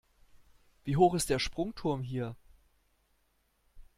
Wie hoch ist der Sprungturm hier?